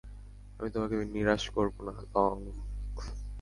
আমি তোমাকে নিরাশ করব না, লংক্ল।